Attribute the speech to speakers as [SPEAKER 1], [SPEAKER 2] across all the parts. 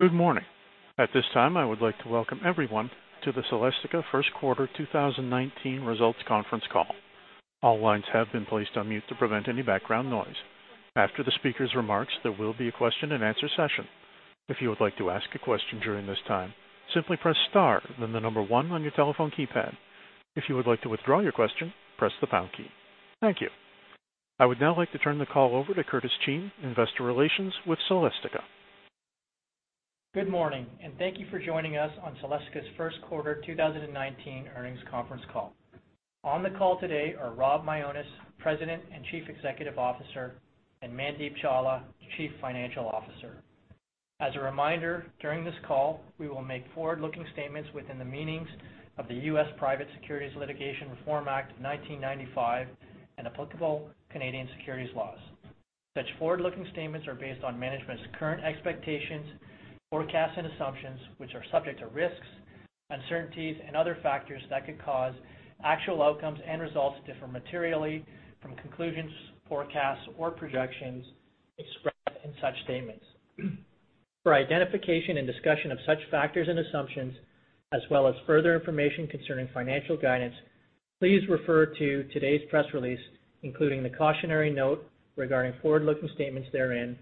[SPEAKER 1] Good morning. At this time, I would like to welcome everyone to the Celestica first quarter 2019 results conference call. All lines have been placed on mute to prevent any background noise. After the speaker's remarks, there will be a question and answer session. If you would like to ask a question during this time, simply press star, then the number one on your telephone keypad. If you would like to withdraw your question, press the pound key. Thank you. I would now like to turn the call over to Craig Oberg, investor relations with Celestica.
[SPEAKER 2] Good morning. Thank you for joining us on Celestica's first quarter 2019 earnings conference call. On the call today are Rob Mionis, President and Chief Executive Officer, and Mandeep Chawla, Chief Financial Officer. As a reminder, during this call, we will make forward-looking statements within the meanings of the U.S. Private Securities Litigation Reform Act of 1995 and applicable Canadian securities laws. Such forward-looking statements are based on management's current expectations, forecasts, and assumptions, which are subject to risks, uncertainties, and other factors that could cause actual outcomes and results to differ materially from conclusions, forecasts, or projections expressed in such statements. For identification and discussion of such factors and assumptions, as well as further information concerning financial guidance, please refer to today's press release, including the cautionary note regarding forward-looking statements therein,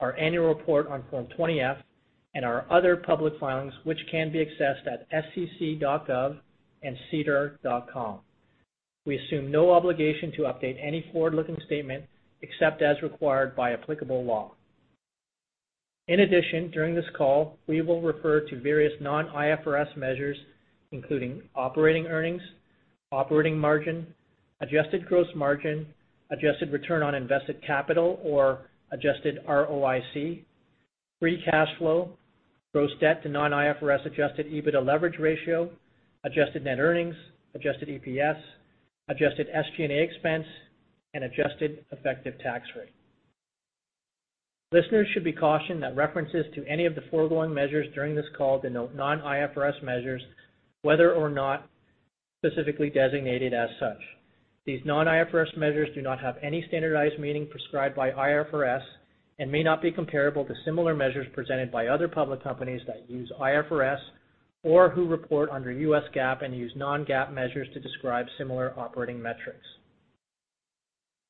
[SPEAKER 2] our annual report on Form 20-F, and our other public filings, which can be accessed at sec.gov and sedar.com. We assume no obligation to update any forward-looking statement, except as required by applicable law. In addition, during this call, we will refer to various non-IFRS measures, including operating earnings, operating margin, adjusted gross margin, adjusted return on invested capital or adjusted ROIC, free cash flow, gross debt to non-IFRS adjusted EBITDA leverage ratio, adjusted net earnings, adjusted EPS, adjusted SG&A expense, and adjusted effective tax rate. Listeners should be cautioned that references to any of the foregoing measures during this call denote non-IFRS measures, whether or not specifically designated as such. These non-IFRS measures do not have any standardized meaning prescribed by IFRS and may not be comparable to similar measures presented by other public companies that use IFRS or who report under U.S. GAAP and use non-GAAP measures to describe similar operating metrics.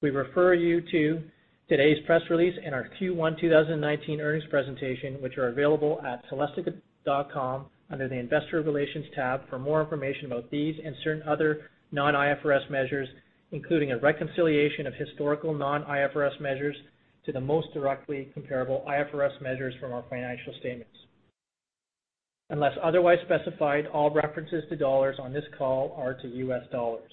[SPEAKER 2] We refer you to today's press release and our Q1 2019 earnings presentation, which are available at celestica.com under the investor relations tab for more information about these and certain other non-IFRS measures, including a reconciliation of historical non-IFRS measures to the most directly comparable IFRS measures from our financial statements. Unless otherwise specified, all references to dollars on this call are to U.S. dollars.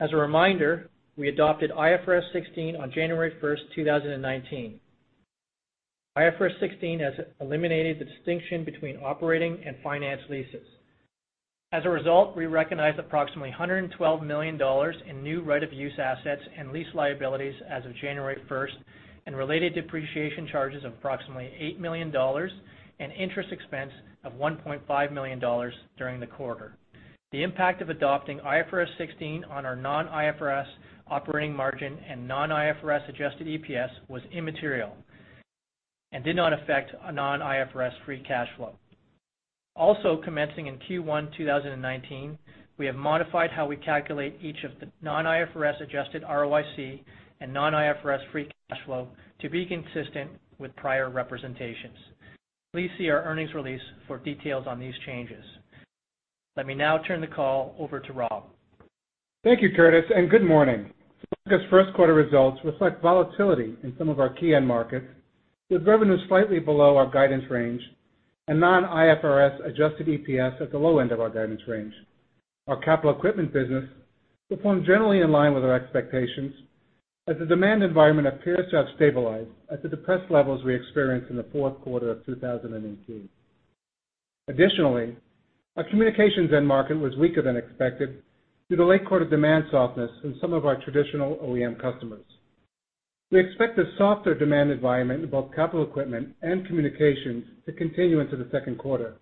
[SPEAKER 2] As a reminder, we adopted IFRS 16 on January 1, 2019. IFRS 16 has eliminated the distinction between operating and finance leases. As a result, we recognized $112 million in new right of use assets and lease liabilities as of January 1st and related depreciation charges of $8 million and interest expense of $1.5 million during the quarter. The impact of adopting IFRS 16 on our non-IFRS operating margin and non-IFRS adjusted EPS was immaterial and did not affect non-IFRS free cash flow. Also commencing in Q1 2019, we have modified how we calculate each of the non-IFRS adjusted ROIC and non-IFRS free cash flow to be consistent with prior representations. Please see our earnings release for details on these changes. Let me now turn the call over to Rob.
[SPEAKER 3] Thank you, Craig, and good morning. Celestica's first quarter results reflect volatility in some of our key end markets, with revenue slightly below our guidance range and non-IFRS adjusted EPS at the low end of our guidance range. Our capital equipment business performed generally in line with our expectations as the demand environment appears to have stabilized at the depressed levels we experienced in the fourth quarter of 2018. Additionally, our communications end market was weaker than expected due to late quarter demand softness in some of our traditional OEM customers. We expect this softer demand environment in both capital equipment and communications to continue into the second quarter.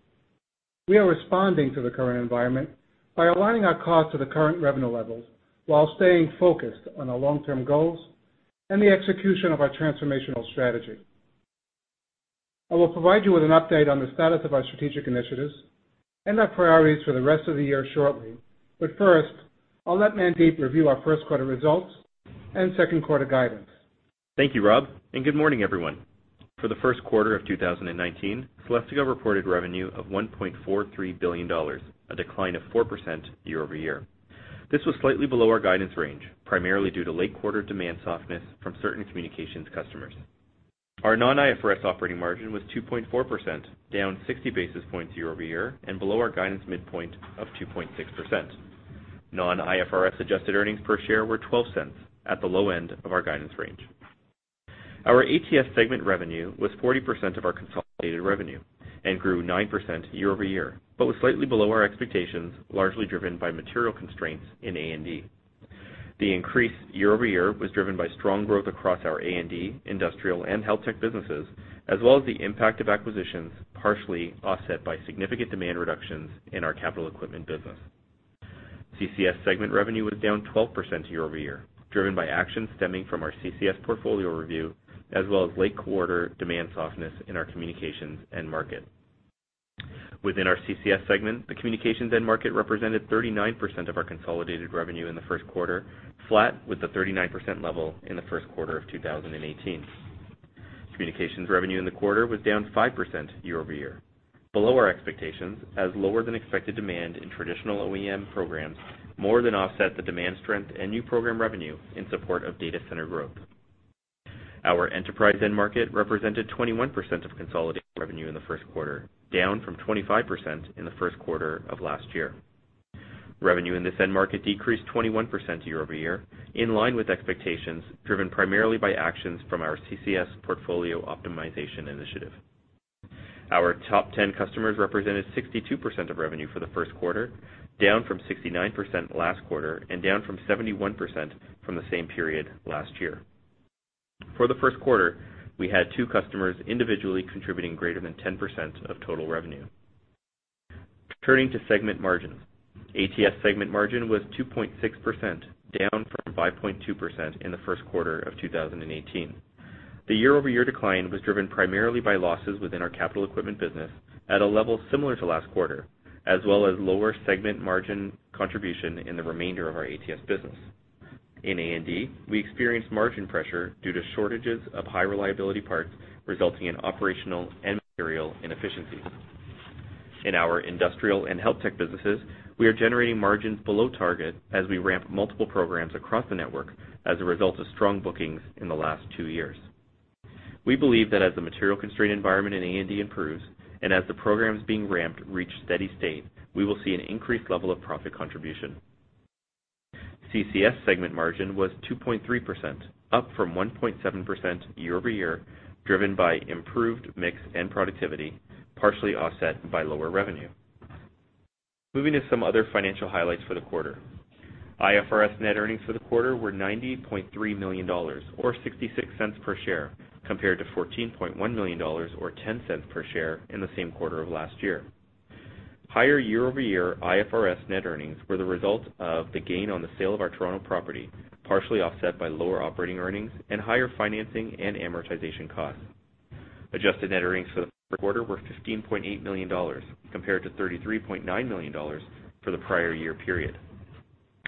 [SPEAKER 3] We are responding to the current environment by aligning our costs to the current revenue levels while staying focused on our long-term goals and the execution of our transformational strategy. I will provide you with an update on the status of our strategic initiatives and our priorities for the rest of the year shortly. But first, I'll let Mandeep review our first quarter results and second quarter guidance.
[SPEAKER 4] Thank you, Rob, and good morning, everyone. For the first quarter of 2019, Celestica reported revenue of $1.43 billion, a decline of 4% year-over-year. This was slightly below our guidance range, primarily due to late quarter demand softness from certain communications customers. Our non-IFRS operating margin was 2.4%, down 60 basis points year-over-year and below our guidance midpoint of 2.6%. Non-IFRS adjusted earnings per share were $0.12 at the low end of our guidance range. Our ATS segment revenue was 40% of our consolidated revenue and grew 9% year-over-year but was slightly below our expectations, largely driven by material constraints in A&D. The increase year-over-year was driven by strong growth across our A&D, industrial, and health tech businesses, as well as the impact of acquisitions, partially offset by significant demand reductions in our capital equipment business. CCS segment revenue was down 12% year-over-year, driven by actions stemming from our CCS portfolio review, as well as late quarter demand softness in our communications end market. Within our CCS segment, the communications end market represented 39% of our consolidated revenue in the first quarter, flat with the 39% level in the first quarter of 2018. Communications revenue in the quarter was down 5% year-over-year, below our expectations, as lower than expected demand in traditional OEM programs more than offset the demand strength and new program revenue in support of data center growth. Our enterprise end market represented 21% of consolidated revenue in the first quarter, down from 25% in the first quarter of last year. Revenue in this end market decreased 21% year-over-year, in line with expectations driven primarily by actions from our CCS portfolio optimization initiative. Our top 10 customers represented 62% of revenue for the first quarter, down from 69% last quarter and down from 71% from the same period last year. For the first quarter, we had two customers individually contributing greater than 10% of total revenue. Turning to segment margins. ATS segment margin was 2.6%, down from 5.2% in the first quarter of 2018. The year-over-year decline was driven primarily by losses within our capital equipment business at a level similar to last quarter, as well as lower segment margin contribution in the remainder of our ATS business. In A&D, we experienced margin pressure due to shortages of high reliability parts, resulting in operational and material inefficiencies. In our industrial and health tech businesses, we are generating margins below target as we ramp multiple programs across the network as a result of strong bookings in the last two years. We believe that as the material constraint environment in A&D improves and as the programs being ramped reach steady state, we will see an increased level of profit contribution. CCS segment margin was 2.3%, up from 1.7% year-over-year, driven by improved mix and productivity, partially offset by lower revenue. Moving to some other financial highlights for the quarter. IFRS net earnings for the quarter were $90.3 million, or $0.66 per share, compared to $14.1 million or $0.10 per share in the same quarter of last year. Higher year-over-year IFRS net earnings were the result of the gain on the sale of our Toronto property, partially offset by lower operating earnings and higher financing and amortization costs. Adjusted net earnings for the first quarter were $15.8 million, compared to $33.9 million for the prior year period.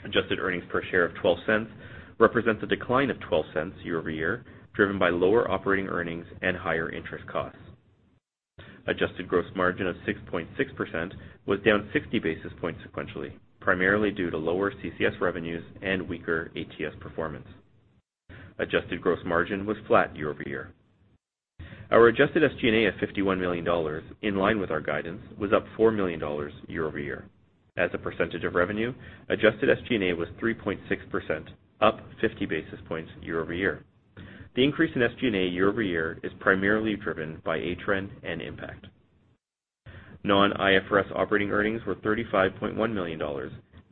[SPEAKER 4] Adjusted earnings per share of $0.12 represent a decline of $0.12 year-over-year, driven by lower operating earnings and higher interest costs. Adjusted gross margin of 6.6% was down 60 basis points sequentially, primarily due to lower CCS revenues and weaker ATS performance. Adjusted gross margin was flat year-over-year. Our adjusted SG&A of $51 million, in line with our guidance, was up $4 million year-over-year. As a percentage of revenue, adjusted SG&A was 3.6%, up 50 basis points year-over-year. The increase in SG&A year-over-year is primarily driven by Atrenne and Impakt. Non-IFRS operating earnings were $35.1 million,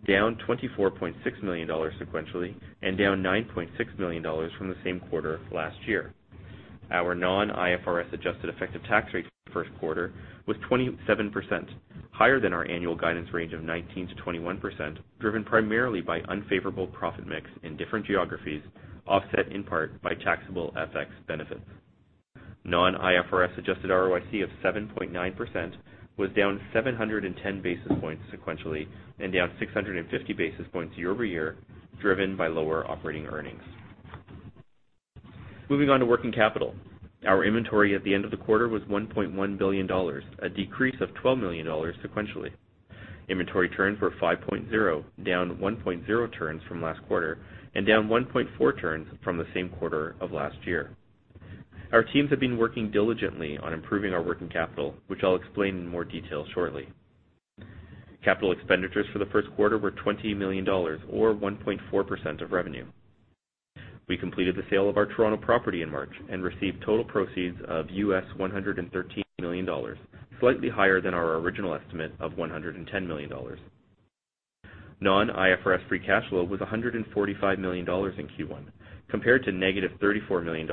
[SPEAKER 4] down $24.6 million sequentially and down $9.6 million from the same quarter last year. Our non-IFRS adjusted effective tax rate for the first quarter was 27%, higher than our annual guidance range of 19%-21%, driven primarily by unfavorable profit mix in different geographies, offset in part by taxable FX benefits. Non-IFRS adjusted ROIC of 7.9% was down 710 basis points sequentially and down 650 basis points year-over-year, driven by lower operating earnings. Moving on to working capital. Our inventory at the end of the quarter was $1.1 billion, a decrease of $12 million sequentially. Inventory turns were 5.0, down 1.0 turns from last quarter, and down 1.4 turns from the same quarter of last year. Our teams have been working diligently on improving our working capital, which I'll explain in more detail shortly. Capital expenditures for the first quarter were $20 million or 1.4% of revenue. We completed the sale of our Toronto property in March and received total proceeds of $113 million, slightly higher than our original estimate of $110 million. Non-IFRS free cash flow was $145 million in Q1, compared to negative $34 million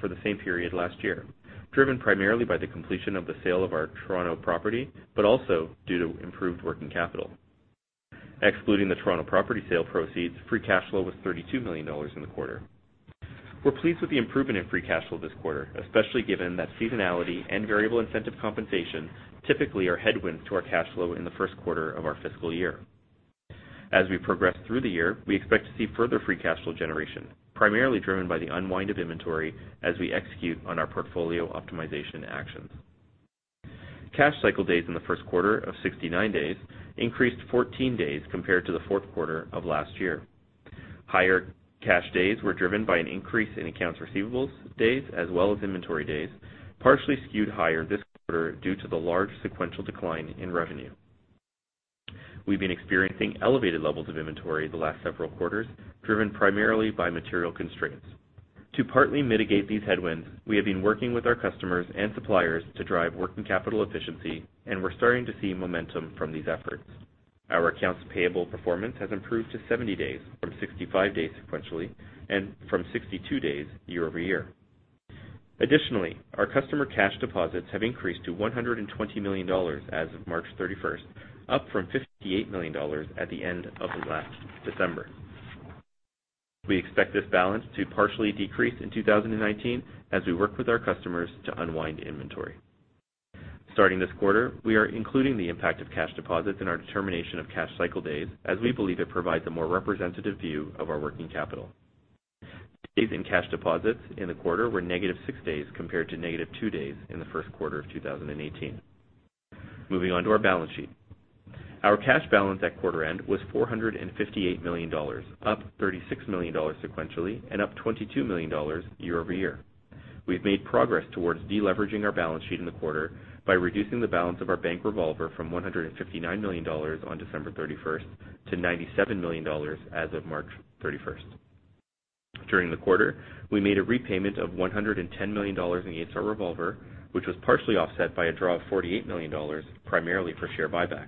[SPEAKER 4] for the same period last year, driven primarily by the completion of the sale of our Toronto property, but also due to improved working capital. Excluding the Toronto property sale proceeds, free cash flow was $32 million in the quarter. We're pleased with the improvement in free cash flow this quarter, especially given that seasonality and variable incentive compensation typically are headwinds to our cash flow in the first quarter of our fiscal year. As we progress through the year, we expect to see further free cash flow generation, primarily driven by the unwind of inventory as we execute on our portfolio optimization actions. Cash cycle days in the first quarter of 69 days increased 14 days compared to the fourth quarter of last year. Higher cash days were driven by an increase in accounts receivables days as well as inventory days, partially skewed higher this quarter due to the large sequential decline in revenue. We've been experiencing elevated levels of inventory the last several quarters, driven primarily by material constraints. To partly mitigate these headwinds, we have been working with our customers and suppliers to drive working capital efficiency, and we're starting to see momentum from these efforts. Our accounts payable performance has improved to 70 days from 65 days sequentially and from 62 days year-over-year. Additionally, our customer cash deposits have increased to $120 million as of March 31st, up from $58 million at the end of last December. We expect this balance to partially decrease in 2019 as we work with our customers to unwind inventory. Starting this quarter, we are including the impact of cash deposits in our determination of cash cycle days, as we believe it provides a more representative view of our working capital. Days in cash deposits in the quarter were negative six days compared to negative two days in the first quarter of 2018. Moving on to our balance sheet. Our cash balance at quarter end was $458 million, up $36 million sequentially and up $22 million year-over-year. We've made progress towards de-leveraging our balance sheet in the quarter by reducing the balance of our bank revolver from $159 million on December 31st to $97 million as of March 31st. During the quarter, we made a repayment of $110 million in the against our revolver, which was partially offset by a draw of $48 million, primarily for share buybacks.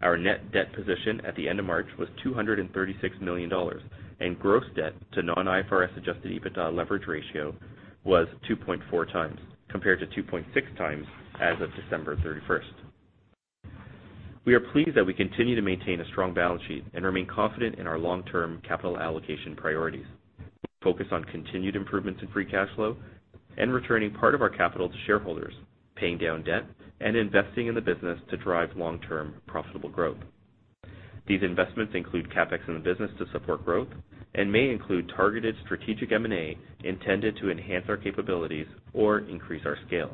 [SPEAKER 4] Our net debt position at the end of March was $236 million, and gross debt to non-IFRS adjusted EBITDA leverage ratio was 2.4 times, compared to 2.6 times as of December 31st. We are pleased that we continue to maintain a strong balance sheet, and remain confident in our long-term capital allocation priorities. We focus on continued improvements in free cash flow and returning part of our capital to shareholders, paying down debt, and investing in the business to drive long-term profitable growth. These investments include CapEx in the business to support growth and may include targeted strategic M&A intended to enhance our capabilities or increase our scale.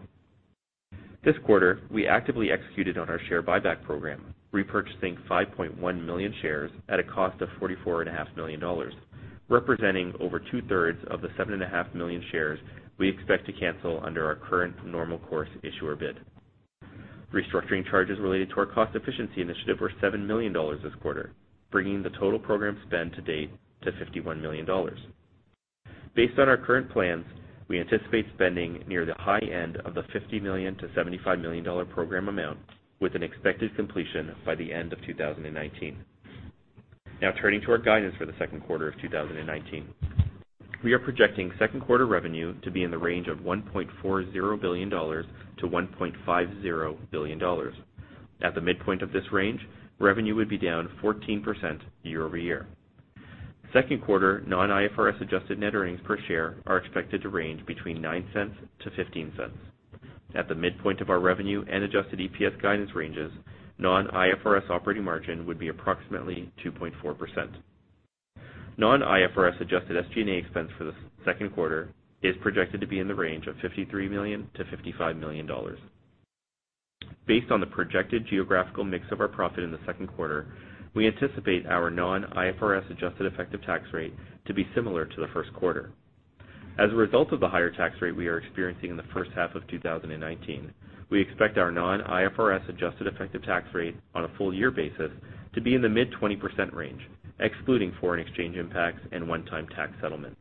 [SPEAKER 4] This quarter, we actively executed on our share buyback program, repurchasing 5.1 million shares at a cost of $44.5 million, representing over two-thirds of the 7.5 million shares we expect to cancel under our current normal course issuer bid. Restructuring charges related to our cost efficiency initiative were $7 million this quarter, bringing the total program spend to date to $51 million. Based on our current plans, we anticipate spending near the high end of the $50 million-$75 million program amount with an expected completion by the end of 2019. Turning to our guidance for the second quarter of 2019. We are projecting second quarter revenue to be in the range of $1.40 billion-$1.50 billion. At the midpoint of this range, revenue would be down 14% year-over-year. Second quarter non-IFRS adjusted net earnings per share are expected to range between $0.09-$0.15. At the midpoint of our revenue and adjusted EPS guidance ranges, non-IFRS operating margin would be approximately 2.4%. Non-IFRS adjusted SG&A expense for the second quarter is projected to be in the range of $53 million-$55 million. Based on the projected geographical mix of our profit in the second quarter, we anticipate our non-IFRS adjusted effective tax rate to be similar to the first quarter. As a result of the higher tax rate we are experiencing in the first half of 2019, we expect our non-IFRS adjusted effective tax rate on a full year basis to be in the mid 20% range, excluding foreign exchange impacts and one-time tax settlement.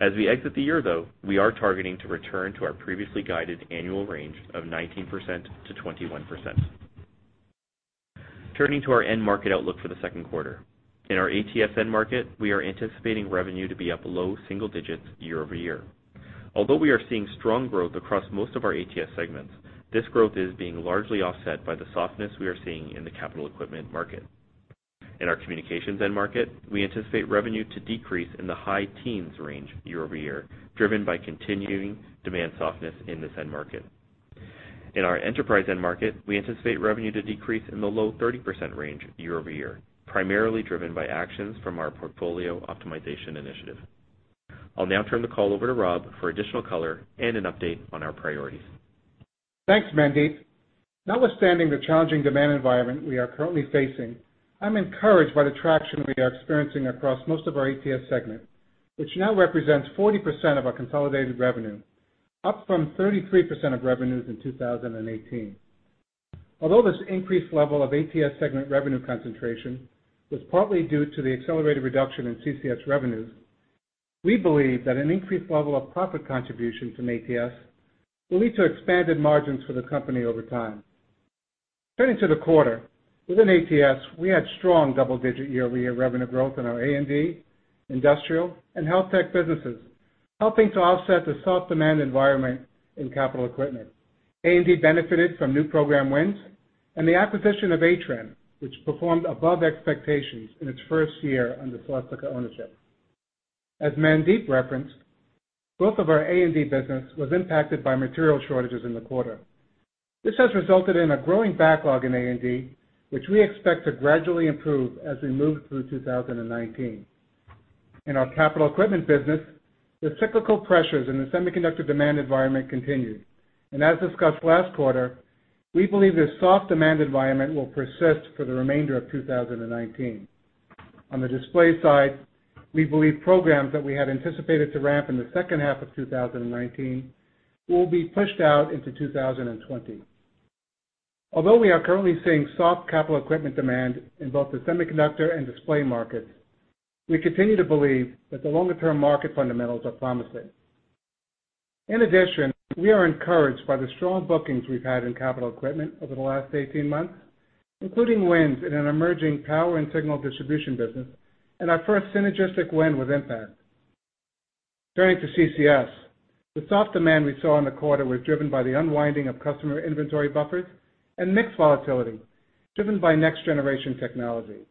[SPEAKER 4] As we exit the year, though, we are targeting to return to our previously guided annual range of 19%-21%. Turning to our end market outlook for the second quarter. In our ATS end market, we are anticipating revenue to be up low single digits year-over-year. Although we are seeing strong growth across most of our ATS segments, this growth is being largely offset by the softness we are seeing in the capital equipment market. In our communications end market, we anticipate revenue to decrease in the high teens range year-over-year, driven by continuing demand softness in this end market. In our enterprise end market, we anticipate revenue to decrease in the low 30% range year-over-year, primarily driven by actions from our portfolio optimization initiative. I'll now turn the call over to Rob for additional color and an update on our priorities.
[SPEAKER 3] Thanks, Mandeep. Notwithstanding the challenging demand environment we are currently facing, I'm encouraged by the traction we are experiencing across most of our Advanced Technology Solutions segment, which now represents 40% of our consolidated revenue, up from 33% of revenues in 2018. Although this increased level of Advanced Technology Solutions segment revenue concentration was partly due to the accelerated reduction in Connectivity & Cloud Solutions revenues, we believe that an increased level of profit contribution from Advanced Technology Solutions will lead to expanded margins for the company over time. Turning to the quarter. Within Advanced Technology Solutions, we had strong double-digit year-over-year revenue growth in our A&D, industrial, and health tech businesses, helping to offset the soft demand environment in capital equipment. A&D benefited from new program wins and the acquisition of Atrenne, which performed above expectations in its first year under Celestica ownership. As Mandeep referenced, growth of our A&D business was impacted by material shortages in the quarter. This has resulted in a growing backlog in A&D, which we expect to gradually improve as we move through 2019. In our capital equipment business, the cyclical pressures in the semiconductor demand environment continued. As discussed last quarter, we believe this soft demand environment will persist for the remainder of 2019. On the display side, we believe programs that we had anticipated to ramp in the second half of 2019 will be pushed out into 2020. Although we are currently seeing soft capital equipment demand in both the semiconductor and display markets, we continue to believe that the longer-term market fundamentals are promising. In addition, we are encouraged by the strong bookings we've had in capital equipment over the last 18 months, including wins in an emerging power and signal distribution business and our first synergistic win with Impakt. Turning to Connectivity & Cloud Solutions, the soft demand we saw in the quarter was driven by the unwinding of customer inventory buffers and mix volatility driven by next-generation technology.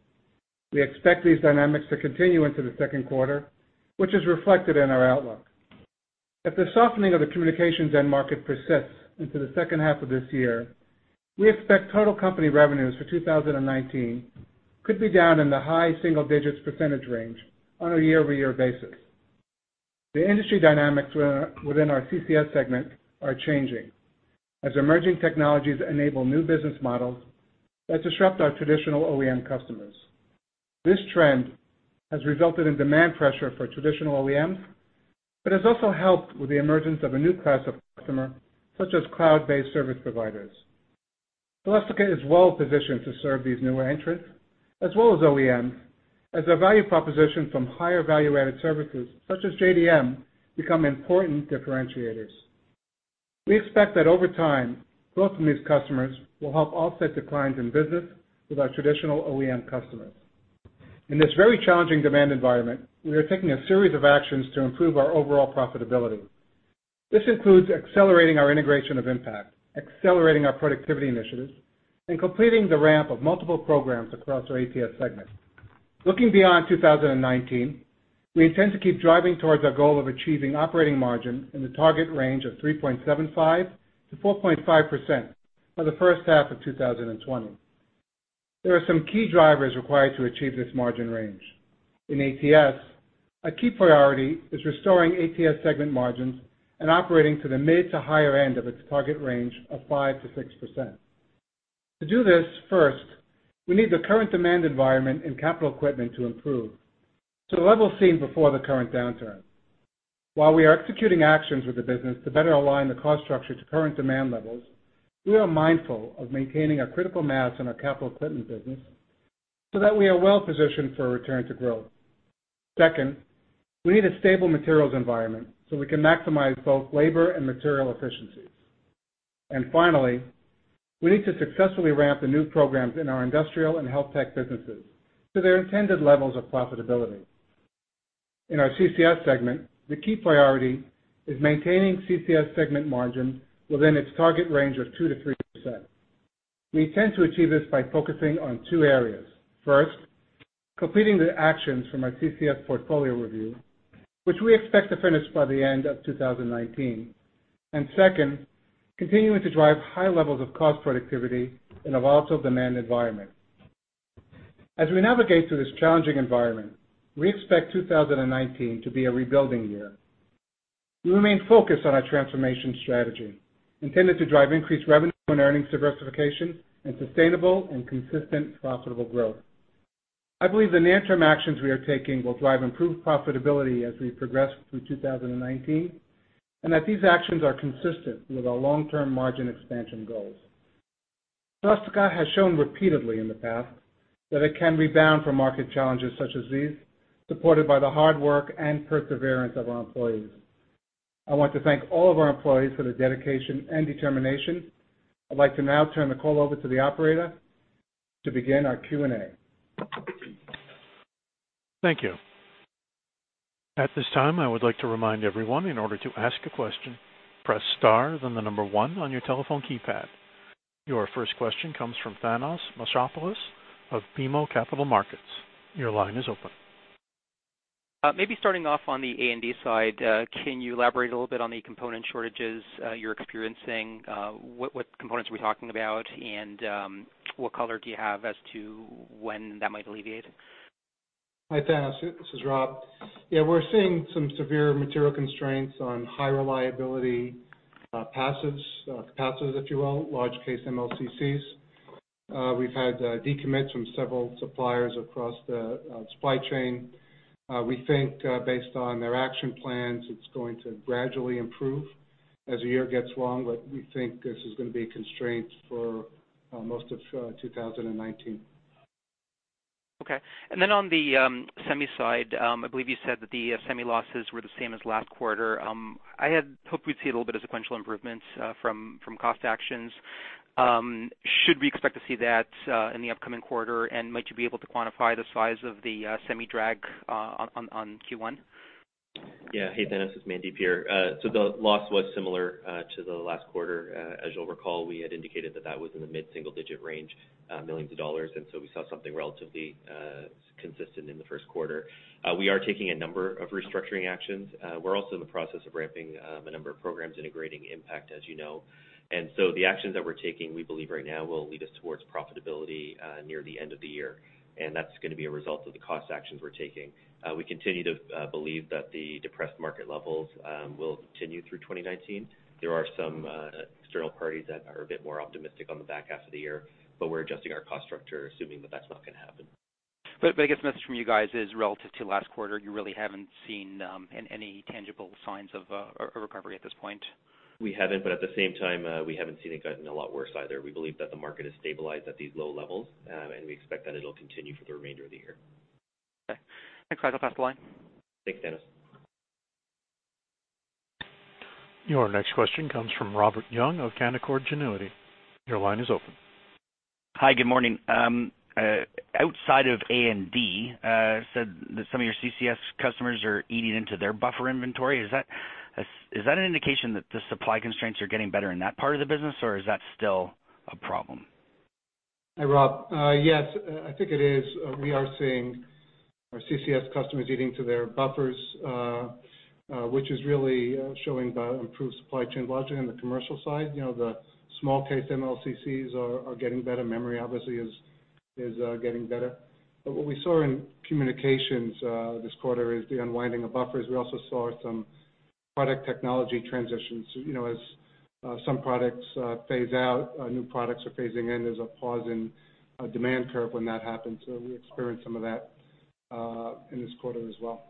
[SPEAKER 3] We expect these dynamics to continue into the second quarter, which is reflected in our outlook. If the softening of the communications end market persists into the second half of this year, we expect total company revenues for 2019 could be down in the high single-digit percentage range on a year-over-year basis. The industry dynamics within our Connectivity & Cloud Solutions segment are changing as emerging technologies enable new business models that disrupt our traditional OEM customers. This trend has resulted in demand pressure for traditional OEMs, but has also helped with the emergence of a new class of customer, such as cloud-based service providers. Celestica is well positioned to serve these new entrants, as well as OEMs, as their value proposition from higher value-added services such as JDM become important differentiators. We expect that over time, growth from these customers will help offset declines in business with our traditional OEM customers. In this very challenging demand environment, we are taking a series of actions to improve our overall profitability. This includes accelerating our integration of Impakt, accelerating our productivity initiatives, and completing the ramp of multiple programs across our Advanced Technology Solutions segment. Looking beyond 2019, we intend to keep driving towards our goal of achieving operating margin in the target range of 3.75%-4.5% for the first half of 2020. There are some key drivers required to achieve this margin range. In ATS, a key priority is restoring ATS segment margins and operating to the mid to higher end of its target range of 5%-6%. To do this, first, we need the current demand environment in capital equipment to improve to the level seen before the current downturn. While we are executing actions with the business to better align the cost structure to current demand levels, we are mindful of maintaining a critical mass in our capital equipment business so that we are well positioned for a return to growth. Second, we need a stable materials environment so we can maximize both labor and material efficiencies. Finally, we need to successfully ramp the new programs in our industrial and health tech businesses to their intended levels of profitability. In our CCS segment, the key priority is maintaining CCS segment margin within its target range of 2%-3%. We intend to achieve this by focusing on two areas. First, completing the actions from our CCS portfolio review, which we expect to finish by the end of 2019. Second, continuing to drive high levels of cost productivity in a volatile demand environment. As we navigate through this challenging environment, we expect 2019 to be a rebuilding year. We remain focused on our transformation strategy, intended to drive increased revenue and earnings diversification and sustainable and consistent profitable growth. I believe the near-term actions we are taking will drive improved profitability as we progress through 2019, and that these actions are consistent with our long-term margin expansion goals. Celestica has shown repeatedly in the past that it can rebound from market challenges such as these, supported by the hard work and perseverance of our employees. I want to thank all of our employees for their dedication and determination. I'd like to now turn the call over to the operator to begin our Q&A.
[SPEAKER 1] Thank you. At this time, I would like to remind everyone, in order to ask a question, press star then the number 1 on your telephone keypad. Your first question comes from Thanos Moschopoulos of BMO Capital Markets. Your line is open.
[SPEAKER 5] Maybe starting off on the A&D side, can you elaborate a little bit on the component shortages you're experiencing? What components are we talking about, and what color do you have as to when that might alleviate?
[SPEAKER 3] Hi, Thanos. This is Rob. We're seeing some severe material constraints on high reliability passives, capacitors, if you will, large case MLCCs. We've had decommits from several suppliers across the supply chain. We think, based on their action plans, it's going to gradually improve as the year gets long, but we think this is going to be a constraint for most of 2019.
[SPEAKER 5] Okay. On the semi side, I believe you said that the semi losses were the same as last quarter. I had hoped we'd see a little bit of sequential improvements from cost actions. Should we expect to see that in the upcoming quarter? Might you be able to quantify the size of the semi drag on Q1?
[SPEAKER 4] Hey, Thanos, it's Mandeep here. The loss was similar to the last quarter. As you'll recall, we had indicated that that was in the mid-single digit range, millions of dollars, and so we saw something relatively consistent in the first quarter. We are taking a number of restructuring actions. We're also in the process of ramping a number of programs integrating Impakt, as you know. The actions that we're taking, we believe right now, will lead us towards profitability near the end of the year, and that's going to be a result of the cost actions we're taking. We continue to believe that the depressed market levels will continue through 2019. There are some external parties that are a bit more optimistic on the back half of the year, but we're adjusting our cost structure assuming that that's not going to happen.
[SPEAKER 5] The biggest message from you guys is relative to last quarter, you really haven't seen any tangible signs of a recovery at this point?
[SPEAKER 4] We haven't, at the same time, we haven't seen it gotten a lot worse either. We believe that the market has stabilized at these low levels, and we expect that it'll continue for the remainder of the year.
[SPEAKER 5] Okay. Thanks. I'll pass the line.
[SPEAKER 4] Thanks, Thanos.
[SPEAKER 1] Your next question comes from Robert Young of Canaccord Genuity. Your line is open.
[SPEAKER 6] Hi, good morning. Outside of A&D, said that some of your CCS customers are eating into their buffer inventory. Is that an indication that the supply constraints are getting better in that part of the business, or is that still a problem?
[SPEAKER 3] Hi, Rob. Yes, I think it is. We are seeing our CCS customers eating to their buffers, which is really showing improved supply chain logic on the commercial side. The small MLCCs are getting better. Memory obviously is getting better. What we saw in communications this quarter is the unwinding of buffers. We also saw some product technology transitions. Some products phase out, new products are phasing in. There's a pause in a demand curve when that happens, so we experienced some of that in this quarter as well.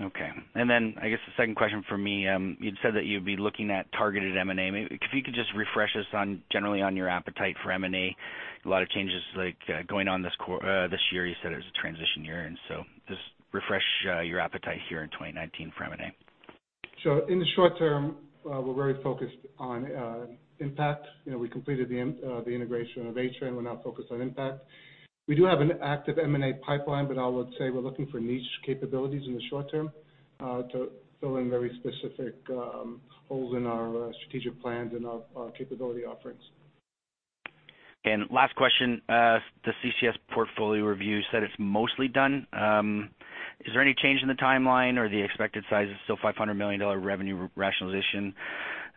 [SPEAKER 6] Okay. Then I guess the second question from me, you'd said that you'd be looking at targeted M&A. Maybe if you could just refresh us generally on your appetite for M&A. A lot of changes going on this year. You said it was a transition year. Just refresh your appetite here in 2019 for M&A.
[SPEAKER 3] In the short term, we're very focused on Impakt. We completed the integration of Atrenne. We're now focused on Impakt. We do have an active M&A pipeline, but I would say we're looking for niche capabilities in the short term to fill in very specific holes in our strategic plans and our capability offerings.
[SPEAKER 6] Last question. The CCS portfolio review said it's mostly done. Is there any change in the timeline or the expected size of still $500 million revenue rationalization?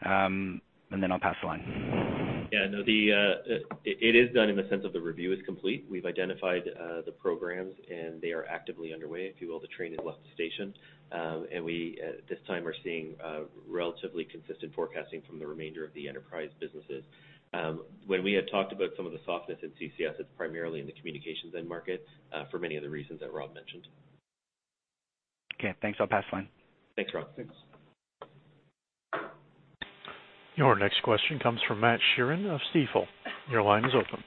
[SPEAKER 6] I'll pass the line.
[SPEAKER 4] It is done in the sense of the review is complete. We've identified the programs, and they are actively underway. If you will, the train has left the station. We, at this time, are seeing relatively consistent forecasting from the remainder of the enterprise businesses. When we had talked about some of the softness in CCS, it's primarily in the communications end markets for many of the reasons that Rob mentioned.
[SPEAKER 6] Okay, thanks. I'll pass the line.
[SPEAKER 4] Thanks, Rob.
[SPEAKER 3] Thanks.
[SPEAKER 1] Your next question comes from Matthew Sheerin of Stifel. Your line is open.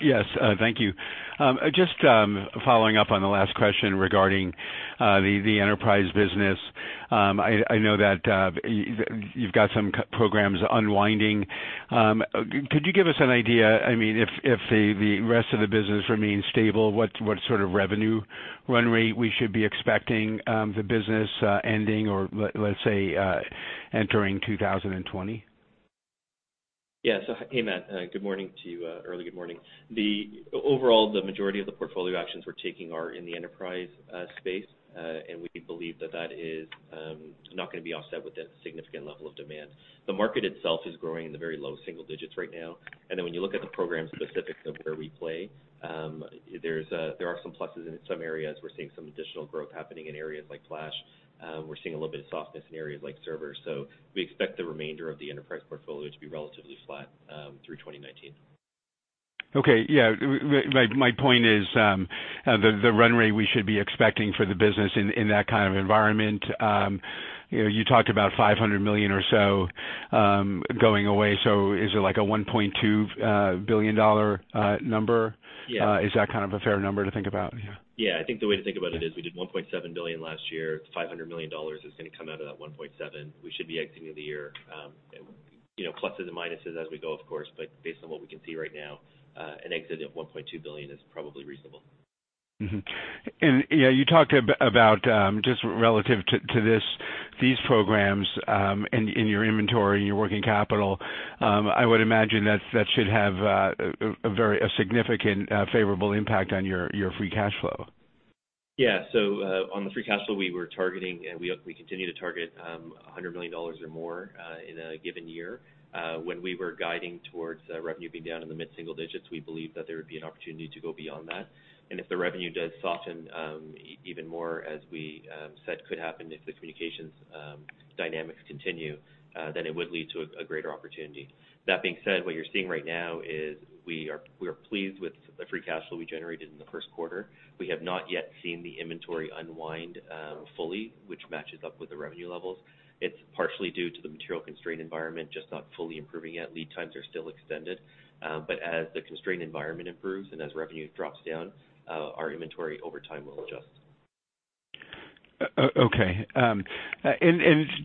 [SPEAKER 7] Yes, thank you. Just following up on the last question regarding the enterprise business. I know that you've got some programs unwinding. Could you give us an idea, if the rest of the business remains stable, what sort of revenue run rate we should be expecting the business ending, or let's say, entering 2020?
[SPEAKER 4] Yeah. Hey, Matt, good morning to you. Early good morning. Overall, the majority of the portfolio actions we're taking are in the enterprise space. We believe that is not going to be offset with a significant level of demand. The market itself is growing in the very low single digits right now. When you look at the program specifics of where we play, there are some pluses in some areas. We're seeing some additional growth happening in areas like flash. We're seeing a little bit of softness in areas like servers. We expect the remainder of the enterprise portfolio to be relatively flat through 2019.
[SPEAKER 7] Okay. Yeah. My point is, the run rate we should be expecting for the business in that kind of environment. You talked about $500 million or so going away. Is it like a $1.2 billion number?
[SPEAKER 4] Yeah.
[SPEAKER 7] Is that kind of a fair number to think about? Yeah.
[SPEAKER 4] I think the way to think about it is we did $1.7 billion last year. $500 million is going to come out of that 1.7. We should be exiting the year, pluses and minuses as we go, of course, but based on what we can see right now, an exit at $1.2 billion is probably reasonable.
[SPEAKER 7] Mm-hmm. You talked about just relative to these programs in your inventory and your working capital. I would imagine that should have a significant favorable impact on your free cash flow.
[SPEAKER 4] Yeah. On the free cash flow we were targeting, and we continue to target $100 million or more in a given year. When we were guiding towards revenue being down in the mid-single digits, we believed that there would be an opportunity to go beyond that. If the revenue does soften even more, as we said could happen if the communications dynamics continue, it would lead to a greater opportunity. That being said, what you're seeing right now is we are pleased with the free cash flow we generated in the first quarter. We have not yet seen the inventory unwind fully, which matches up with the revenue levels. It's partially due to the material constraint environment just not fully improving yet. Lead times are still extended. As the constraint environment improves and as revenue drops down, our inventory over time will adjust.
[SPEAKER 7] Okay.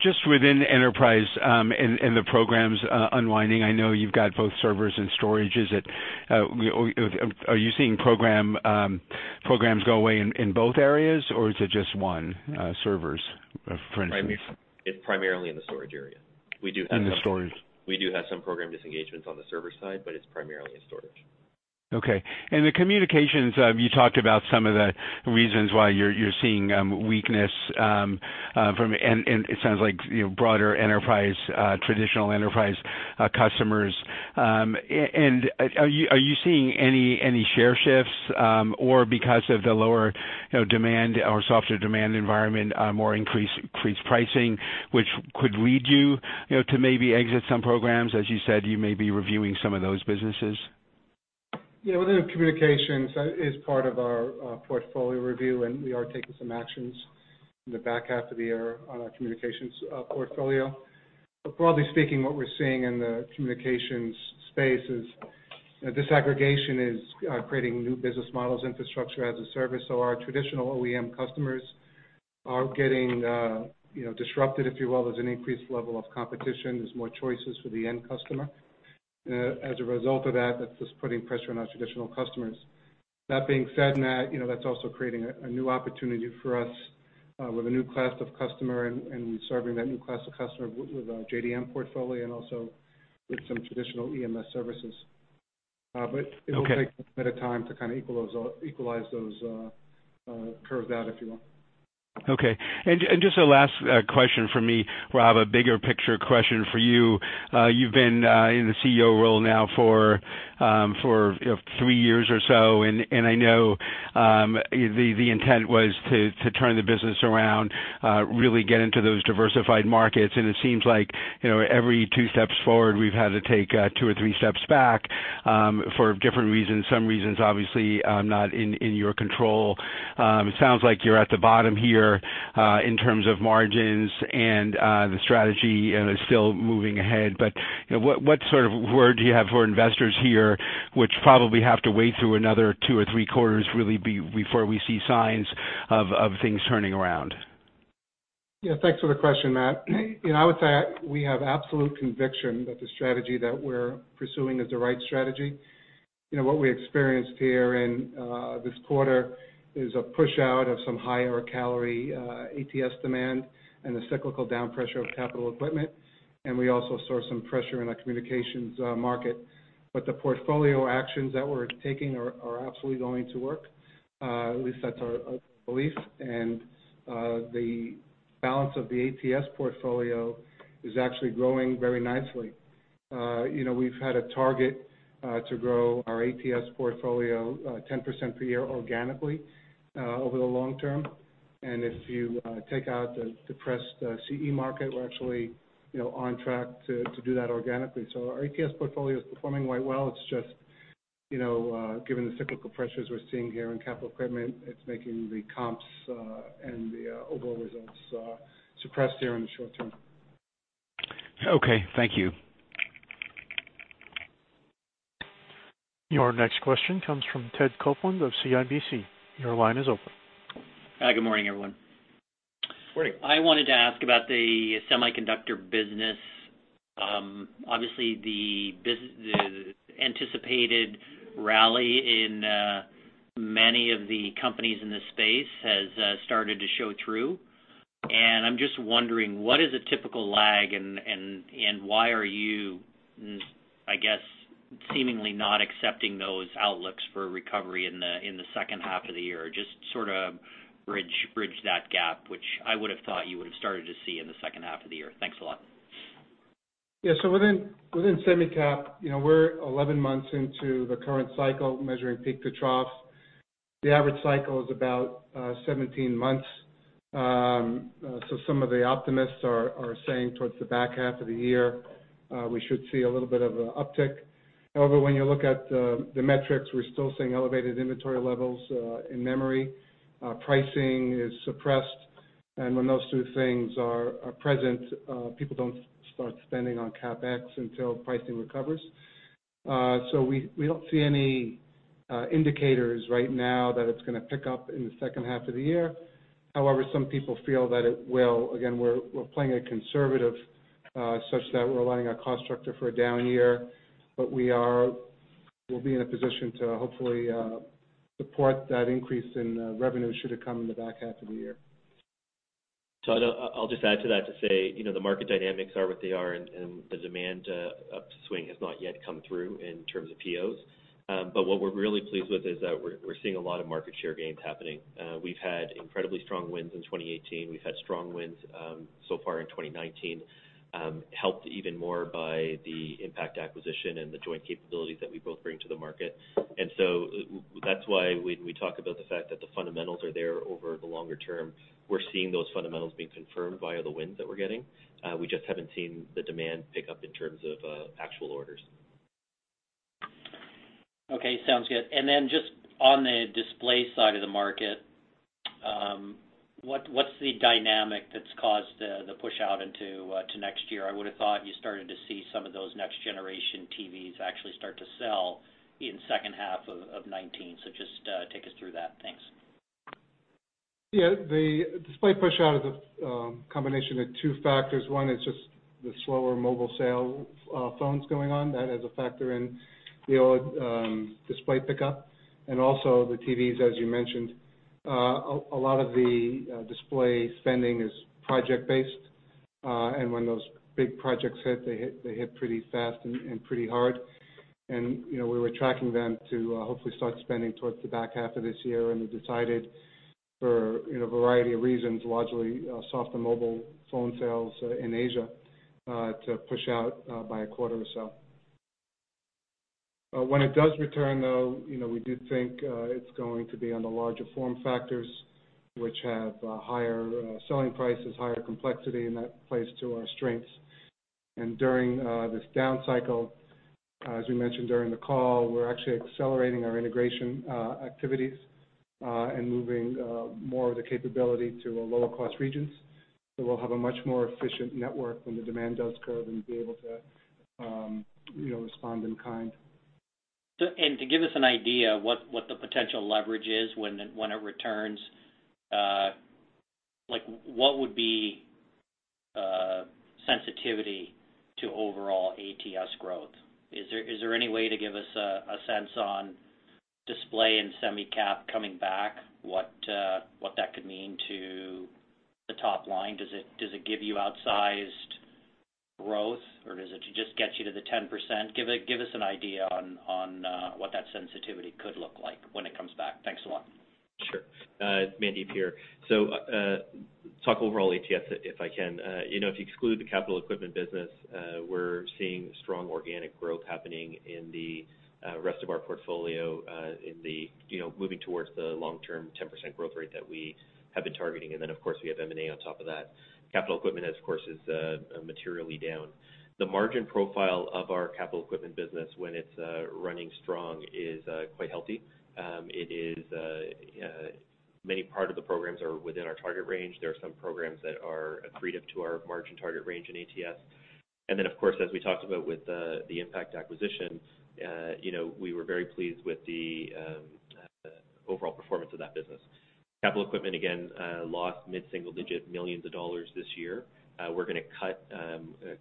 [SPEAKER 7] Just within enterprise, and the programs unwinding, I know you've got both servers and storage. Are you seeing programs go away in both areas, or is it just one, servers, for instance?
[SPEAKER 4] It's primarily in the storage area.
[SPEAKER 7] In the storage.
[SPEAKER 4] We do have some program disengagements on the server side, but it is primarily in storage.
[SPEAKER 7] Okay. The Communications, you talked about some of the reasons why you are seeing weakness, and it sounds like broader Enterprise, traditional Enterprise customers. Are you seeing any share shifts? Because of the lower demand or softer demand environment, more increased pricing, which could lead you to maybe exit some programs? As you said, you may be reviewing some of those businesses.
[SPEAKER 3] Yeah, within Communications, that is part of our portfolio review, and we are taking some actions in the back half of the year on our Communications portfolio. Broadly speaking, what we are seeing in the Communications space is disaggregation is creating new business models, infrastructure as a service. Our traditional OEM customers are getting disrupted, if you will. There is an increased level of competition. There is more choices for the end customer. As a result of that is just putting pressure on our traditional customers. That being said, Matt, that is also creating a new opportunity for us with a new class of customer and serving that new class of customer with our JDM portfolio and also with some traditional EMS services.
[SPEAKER 7] Okay.
[SPEAKER 3] It will take a bit of time to equalize those curves out, if you will.
[SPEAKER 7] Okay. Just a last question from me, Rob, a bigger picture question for you. You've been in the CEO role now for three years or so. I know the intent was to turn the business around, really get into those diversified markets. It seems like every two steps forward, we've had to take two or three steps back for different reasons. Some reasons, obviously, not in your control. It sounds like you're at the bottom here in terms of margins and the strategy, and are still moving ahead. What sort of word do you have for investors here, which probably have to wait through another two or three quarters, really, before we see signs of things turning around?
[SPEAKER 3] Yeah, thanks for the question, Matt. I would say we have absolute conviction that the strategy that we're pursuing is the right strategy. What we experienced here in this quarter is a push out of some higher calorie ATS demand and the cyclical down pressure of capital equipment, and we also saw some pressure in our communications market. The portfolio actions that we're taking are absolutely going to work, at least that's our belief. The balance of the ATS portfolio is actually growing very nicely. We've had a target to grow our ATS portfolio 10% per year organically over the long term. If you take out the depressed CE market, we're actually on track to do that organically. Our ATS portfolio is performing quite well. It's just, given the cyclical pressures we're seeing here in capital equipment, it's making the comps and the overall results suppressed here in the short term.
[SPEAKER 7] Okay. Thank you.
[SPEAKER 1] Your next question comes from Todd Coupland of CIBC. Your line is open.
[SPEAKER 8] Good morning, everyone.
[SPEAKER 3] Morning.
[SPEAKER 8] I wanted to ask about the semiconductor business. Obviously, the anticipated rally in many of the companies in this space has started to show through. I'm just wondering, what is a typical lag and why are you, I guess, seemingly not accepting those outlooks for recovery in the second half of the year? Just sort of bridge that gap, which I would have thought you would have started to see in the second half of the year. Thanks a lot.
[SPEAKER 3] Yeah. Within Semicap, we're 11 months into the current cycle, measuring peak to troughs. The average cycle is about 17 months. Some of the optimists are saying towards the back half of the year, we should see a little bit of an uptick. However, when you look at the metrics, we're still seeing elevated inventory levels in memory. Pricing is suppressed, and when those two things are present, people don't start spending on CapEx until pricing recovers. We don't see any indicators right now that it's going to pick up in the second half of the year. However, some people feel that it will. Again, we're playing it conservative such that we're aligning our cost structure for a down year, but we'll be in a position to hopefully support that increase in revenue should it come in the back half of the year.
[SPEAKER 4] I'll just add to that to say, the market dynamics are what they are, the demand upswing has not yet come through in terms of POs. What we're really pleased with is that we're seeing a lot of market share gains happening. We've had incredibly strong wins in 2018. We've had strong wins so far in 2019, helped even more by the Impakt acquisition and the joint capabilities that we both bring to the market. That's why when we talk about the fact that the fundamentals are there over the longer term, we're seeing those fundamentals being confirmed via the wins that we're getting. We just haven't seen the demand pick up in terms of actual orders.
[SPEAKER 8] Okay. Sounds good. Just on the display side of the market, what's the dynamic that's caused the push out into next year? I would have thought you started to see some of those next generation TVs actually start to sell in second half of 2019. Just take us through that. Thanks.
[SPEAKER 3] Yeah. The display push out is a combination of two factors. One is just the slower mobile phone sales going on. That is a factor in the old display pickup. Also the TVs, as you mentioned. A lot of the display spending is project-based, when those big projects hit, they hit pretty fast and pretty hard. We were tracking them to hopefully start spending towards the back half of this year, they decided for a variety of reasons, largely softer mobile phone sales in Asia, to push out by a quarter or so. When it does return, though, we do think it's going to be on the larger form factors, which have higher selling prices, higher complexity, and that plays to our strengths. During this down cycle. As we mentioned during the call, we're actually accelerating our integration activities and moving more of the capability to our lower cost regions. We'll have a much more efficient network when the demand does curve and be able to respond in kind.
[SPEAKER 8] To give us an idea what the potential leverage is when it returns, what would be sensitivity to overall ATS growth? Is there any way to give us a sense on display and Semicap coming back? What that could mean to the top line? Does it give you outsized growth, or does it just get you to the 10%? Give us an idea on what that sensitivity could look like when it comes back. Thanks a lot.
[SPEAKER 4] Sure. Mandeep here. Talk overall ATS, if I can. If you exclude the capital equipment business, we're seeing strong organic growth happening in the rest of our portfolio, moving towards the long-term 10% growth rate that we have been targeting. Of course, we have M&A on top of that. Capital equipment, of course, is materially down. The margin profile of our capital equipment business when it's running strong is quite healthy. Many part of the programs are within our target range. There are some programs that are accretive to our margin target range in ATS. Of course, as we talked about with the Impakt acquisition, we were very pleased with the overall performance of that business. Capital equipment, again, lost mid-single digit millions of dollars this year. We're going to cut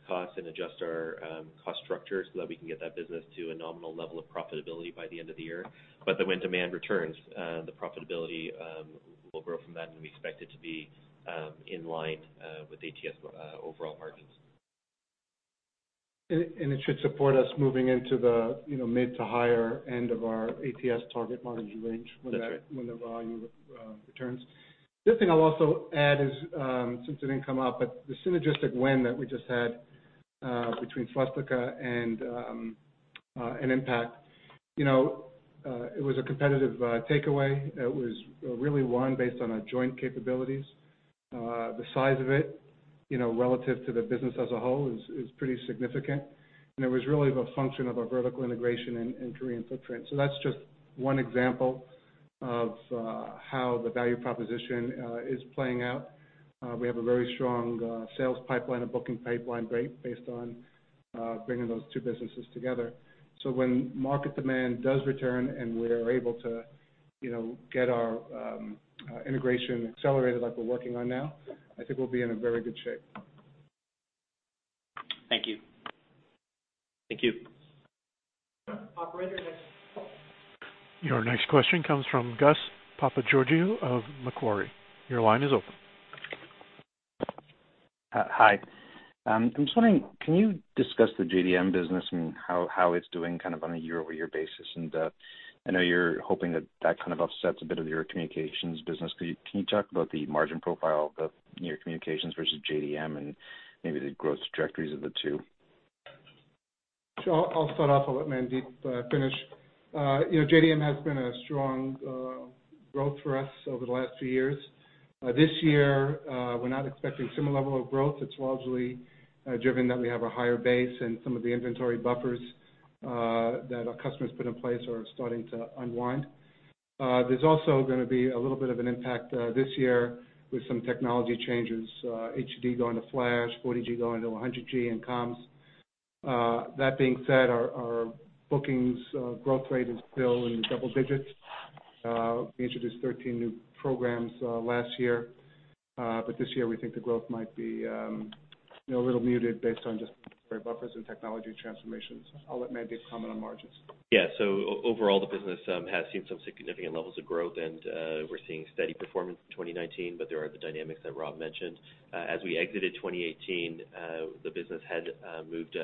[SPEAKER 4] costs and adjust our cost structure so that we can get that business to a nominal level of profitability by the end of the year. When demand returns, the profitability will grow from that, and we expect it to be in line with ATS overall margins.
[SPEAKER 3] It should support us moving into the mid to higher end of our ATS target margin range.
[SPEAKER 4] That's right
[SPEAKER 3] when the volume returns. The other thing I'll also add is, since it didn't come up, but the synergistic win that we just had between Celestica and Impakt, it was a competitive takeaway. It was really won based on our joint capabilities. The size of it, relative to the business as a whole, is pretty significant, and it was really the function of our vertical integration and entry and footprint. That's just one example of how the value proposition is playing out. We have a very strong sales pipeline, a booking pipeline based on bringing those two businesses together. When market demand does return and we're able to get our integration accelerated like we're working on now, I think we'll be in a very good shape.
[SPEAKER 9] Thank you.
[SPEAKER 4] Thank you.
[SPEAKER 2] Operator, next question.
[SPEAKER 1] Your next question comes from Gus Papageorgiou of Macquarie. Your line is open.
[SPEAKER 10] Hi. I'm just wondering, can you discuss the JDM business and how it's doing on a year-over-year basis? I know you're hoping that that kind of offsets a bit of your communications business. Can you talk about the margin profile of your communications versus JDM and maybe the growth trajectories of the two?
[SPEAKER 3] Sure. I'll start off. I'll let Mandeep finish. JDM has been a strong growth for us over the last few years. This year, we're not expecting similar level of growth. It's largely driven that we have a higher base and some of the inventory buffers that our customers put in place are starting to unwind. There's also going to be a little bit of an impact this year with some technology changes, HDD going to flash, 40G going to 100G in comms. That being said, our bookings growth rate is still in double digits. We introduced 13 new programs last year. This year, we think the growth might be a little muted based on just buffers and technology transformations. I'll let Mandeep comment on margins.
[SPEAKER 4] Yeah. Overall, the business has seen some significant levels of growth, and we're seeing steady performance in 2019, but there are the dynamics that Rob mentioned. As we exited 2018, the business had moved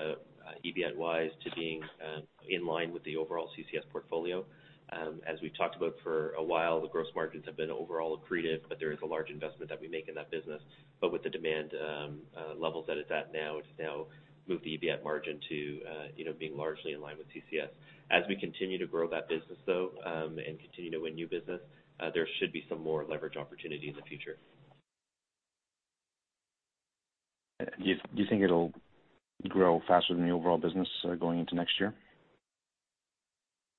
[SPEAKER 4] EBT-wise to being in line with the overall CCS portfolio. As we've talked about for a while, the gross margins have been overall accretive, but there is a large investment that we make in that business. With the demand levels that it's at now, it's now moved the EBT margin to being largely in line with CCS. As we continue to grow that business, though, and continue to win new business, there should be some more leverage opportunity in the future.
[SPEAKER 10] Do you think it'll grow faster than the overall business going into next year?
[SPEAKER 4] Yeah.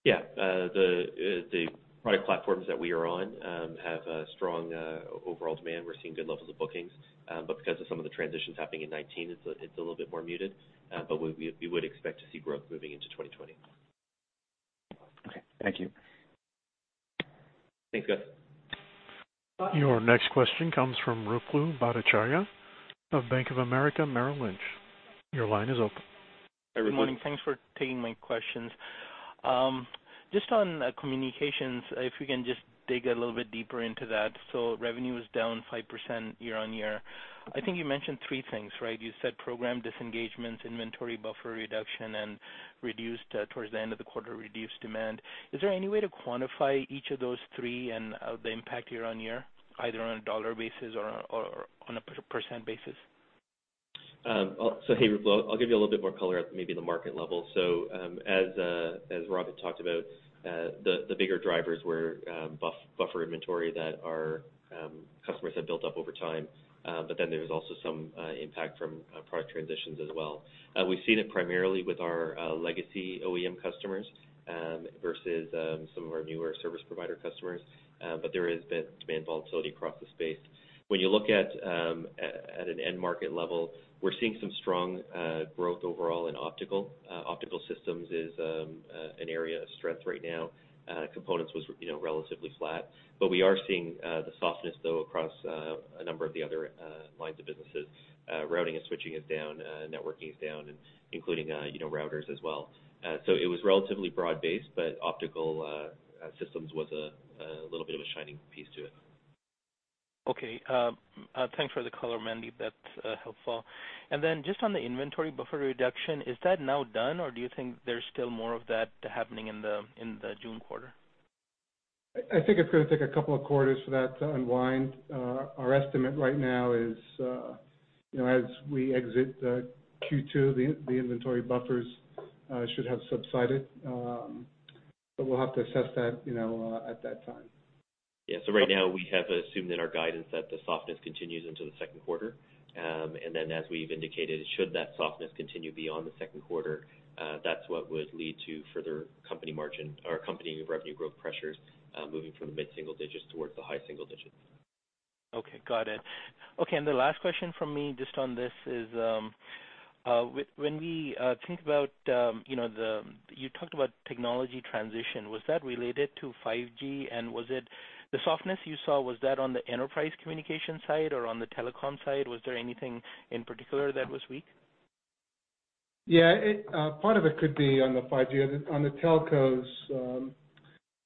[SPEAKER 4] The product platforms that we are on have a strong overall demand. We're seeing good levels of bookings. Because of some of the transitions happening in 2019, it's a little bit more muted. We would expect to see growth moving into 2020.
[SPEAKER 10] Okay. Thank you.
[SPEAKER 4] Thanks, Gus.
[SPEAKER 1] Your next question comes from Ruplu Bhattacharya of Bank of America Merrill Lynch. Your line is open.
[SPEAKER 3] Hey, Ruplu.
[SPEAKER 9] Good morning. Thanks for taking my questions. Just on communications, if you can just dig a little bit deeper into that. Revenue is down 5% year-on-year. I think you mentioned three things, right? You said program disengagements, inventory buffer reduction, and towards the end of the quarter, reduced demand. Is there any way to quantify each of those three and the impact year-on-year, either on a dollar basis or on a percent basis?
[SPEAKER 4] Hey, Ruplu, I'll give you a little bit more color at maybe the market level. As Robert talked about, the bigger drivers were buffer inventory that our customers have built up over time. There's also some impact from product transitions as well. We've seen it primarily with our legacy OEM customers, versus some of our newer service provider customers. There has been demand volatility across the space. When you look at an end market level, we're seeing some strong growth overall in optical. Optical systems is an area of strength right now. Components was relatively flat. We are seeing the softness though, across a number of the other lines of businesses. Routing and switching is down, networking is down, and including routers as well. It was relatively broad based, but optical systems was a little bit of a shining piece to it.
[SPEAKER 9] Okay. Thanks for the color, Mandeep. That's helpful. Just on the inventory buffer reduction, is that now done, or do you think there's still more of that happening in the June quarter?
[SPEAKER 3] I think it's going to take a couple of quarters for that to unwind. Our estimate right now is, as we exit Q2, the inventory buffers should have subsided. We'll have to assess that at that time.
[SPEAKER 4] Yeah. Right now we have assumed in our guidance that the softness continues into the second quarter. As we've indicated, should that softness continue beyond the second quarter, that's what would lead to further company margin or company revenue growth pressures, moving from the mid-single digits towards the high single digits.
[SPEAKER 9] Okay, got it. Okay. The last question from me just on this is, you talked about technology transition. Was that related to 5G, and the softness you saw, was that on the enterprise communication side or on the telecom side? Was there anything in particular that was weak?
[SPEAKER 3] Yeah, part of it could be on the 5G. On the telcos,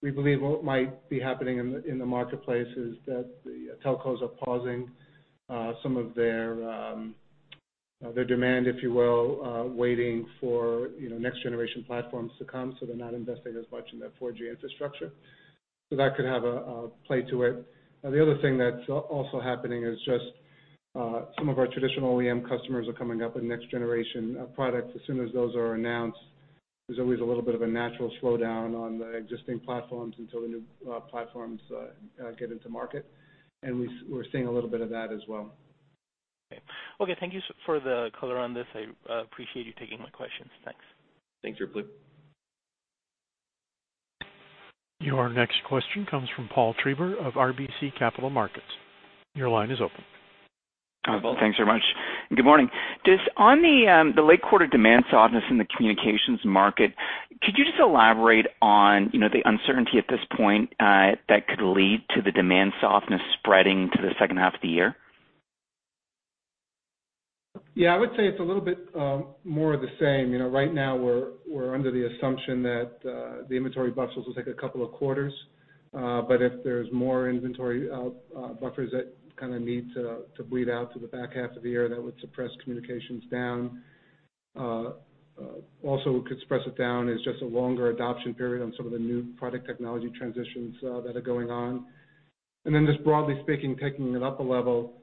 [SPEAKER 3] we believe what might be happening in the marketplace is that the telcos are pausing some of their demand, if you will waiting for next generation platforms to come, so they're not investing as much in their 4G infrastructure. That could have a play to it. The other thing that's also happening is just some of our traditional OEM customers are coming up with next generation products. As soon as those are announced, there's always a little bit of a natural slowdown on the existing platforms until the new platforms get into market. We're seeing a little bit of that as well.
[SPEAKER 9] Okay. Thank you for the color on this. I appreciate you taking my questions. Thanks.
[SPEAKER 4] Thanks, Ruplu.
[SPEAKER 1] Your next question comes from Paul Treiber of RBC Capital Markets. Your line is open.
[SPEAKER 3] Thanks very much. Good morning. Just on the late quarter demand softness in the communications market, could you just elaborate on the uncertainty at this point that could lead to the demand softness spreading to the second half of the year? Yeah, I would say it's a little bit more of the same. Right now we're under the assumption that the inventory buffers will take a couple of quarters. If there's more inventory buffers that kind of need to bleed out to the back half of the year, that would suppress communications down. Also, what could suppress it down is just a longer adoption period on some of the new product technology transitions that are going on. Then just broadly speaking, taking it up a level,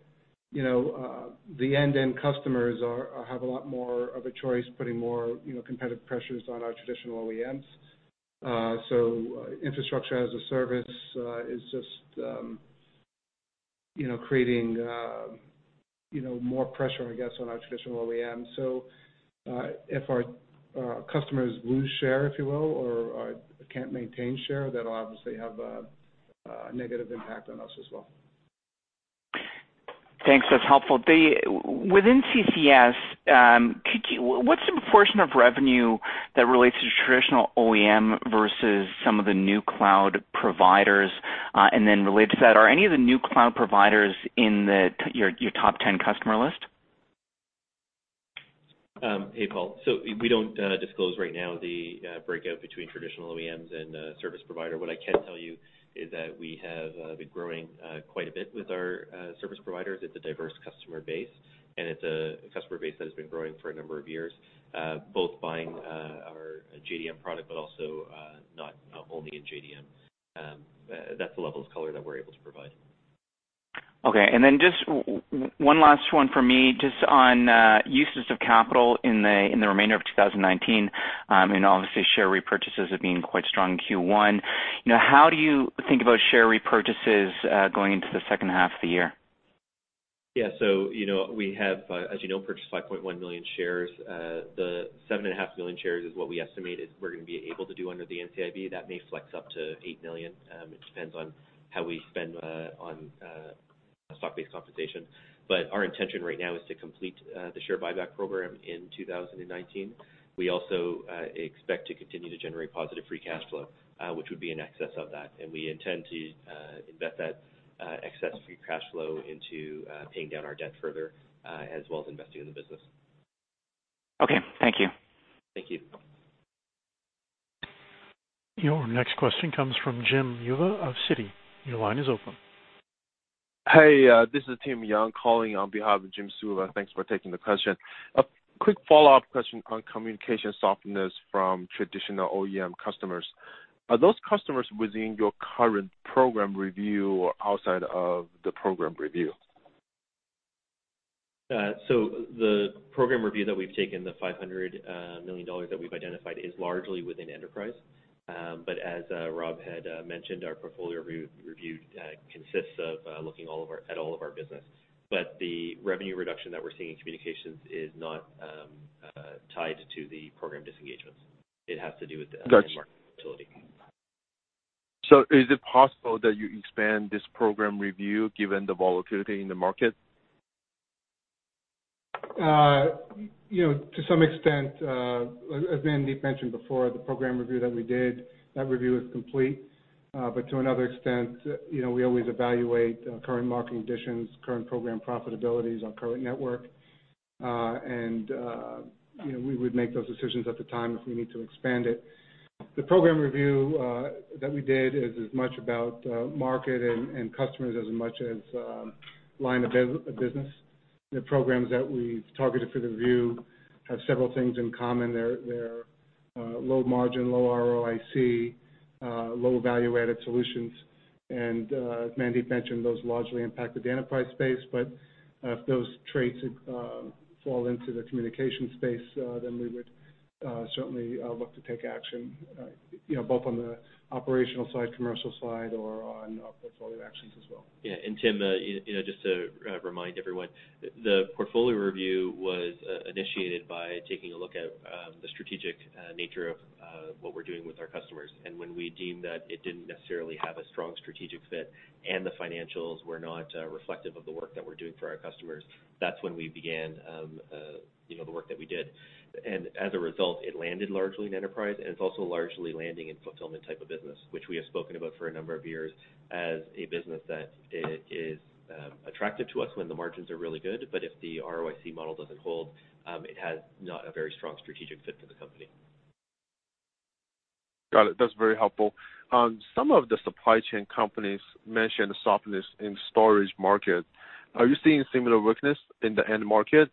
[SPEAKER 3] the end-to-end customers have a lot more of a choice, putting more competitive pressures on our traditional OEMs. Infrastructure as a service is just creating more pressure, I guess, on our traditional OEMs. If our customers lose share, if you will, or can't maintain share, that'll obviously have a negative impact on us as well.
[SPEAKER 11] Thanks. That's helpful. Within CCS, what's the portion of revenue that relates to traditional OEM versus some of the new cloud providers? Related to that, are any of the new cloud providers in your top 10 customer list?
[SPEAKER 4] Hey, Paul. We don't disclose right now the breakout between traditional OEMs and service provider. What I can tell you is that we have been growing quite a bit with our service providers. It's a diverse customer base, and it's a customer base that has been growing for a number of years, both buying our JDM product, but also not only in JDM. That's the level of color that we're able to provide.
[SPEAKER 11] Okay. Just one last one for me, just on uses of capital in the remainder of 2019, and obviously share repurchases have been quite strong in Q1. How do you think about share repurchases going into the second half of the year?
[SPEAKER 4] Yeah. We have, as you know, purchased 5.1 million shares. The seven and a half million shares is what we estimated we're going to be able to do under the NCIB. That may flex up to eight million. It depends on how we spend on stock-based compensation. Our intention right now is to complete the share buyback program in 2019. We also expect to continue to generate positive free cash flow, which would be in excess of that. We intend to invest that excess free cash flow into paying down our debt further, as well as investing in the business.
[SPEAKER 11] Okay. Thank you.
[SPEAKER 4] Thank you.
[SPEAKER 1] Your next question comes from Jim Suva of Citi. Your line is open.
[SPEAKER 12] Hey, this is Timothy Young calling on behalf of Jim Suva. Thanks for taking the question. A quick follow-up question on communication softness from traditional OEM customers. Are those customers within your current program review or outside of the program review?
[SPEAKER 4] The program review that we've taken, the $500 million that we've identified, is largely within enterprise. As Rob had mentioned, our portfolio review consists of looking at all of our business. The revenue reduction that we're seeing in communications is not tied to the program disengagements. It has to do with the end market volatility.
[SPEAKER 12] Is it possible that you expand this program review given the volatility in the market?
[SPEAKER 3] To some extent, as Mandeep mentioned before, the program review that we did, that review is complete. To another extent, we always evaluate current market conditions, current program profitabilities, our current network. We would make those decisions at the time if we need to expand it. The program review that we did is as much about market and customers as much as line of business. The programs that we've targeted for the review have several things in common. They're low margin, low ROIC, low value-added solutions. As Mandeep mentioned, those largely impacted the enterprise space. If those traits fall into the communication space, then we would certainly look to take action, both on the operational side, commercial side, or on portfolio actions as well.
[SPEAKER 4] Yeah. Tim, just to remind everyone, the portfolio review was initiated by taking a look at the strategic nature of what we're doing with our customers. When we deemed that it didn't necessarily have a strong strategic fit and the financials were not reflective of the work that we're doing for our customers, that's when we began the work that we did. As a result, it landed largely in enterprise, and it's also largely landing in fulfillment type of business, which we have spoken about for a number of years as a business that is attractive to us when the margins are really good. If the ROIC model doesn't hold, it has not a very strong strategic fit for the company.
[SPEAKER 12] Got it. That's very helpful. Some of the supply chain companies mentioned softness in storage market. Are you seeing similar weakness in the end market?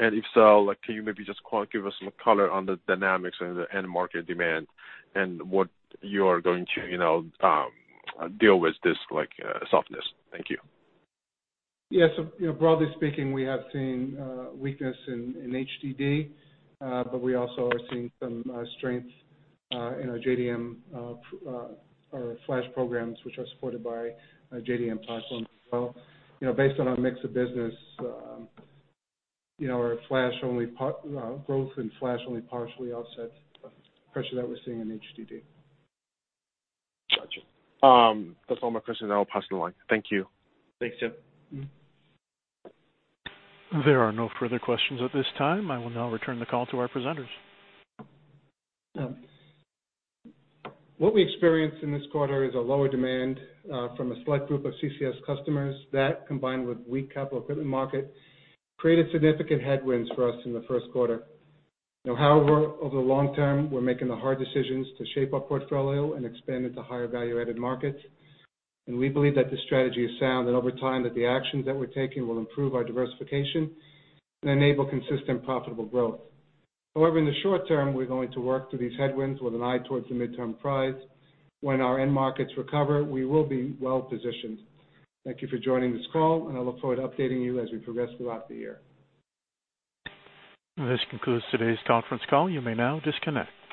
[SPEAKER 12] If so, can you maybe just give us some color on the dynamics and the end market demand and what you are going to deal with this softness? Thank you.
[SPEAKER 3] Broadly speaking, we have seen weakness in HDD, but we also are seeing some strength in our JDM flash programs, which are supported by JDM platform as well. Based on our mix of business, our growth in flash only partially offset the pressure that we're seeing in HDD.
[SPEAKER 12] Got you. That's all my questions. I'll pass the line. Thank you.
[SPEAKER 4] Thanks, Tim.
[SPEAKER 1] There are no further questions at this time. I will now return the call to our presenters.
[SPEAKER 3] What we experienced in this quarter is a lower demand from a select group of CCS customers. That, combined with weak capital equipment market, created significant headwinds for us in the first quarter. Over the long term, we're making the hard decisions to shape our portfolio and expand into higher value-added markets, and we believe that the strategy is sound and over time, that the actions that we're taking will improve our diversification and enable consistent profitable growth. In the short term, we're going to work through these headwinds with an eye towards the midterm prize. When our end markets recover, we will be well-positioned. Thank you for joining this call, and I look forward to updating you as we progress throughout the year.
[SPEAKER 1] This concludes today's conference call. You may now disconnect.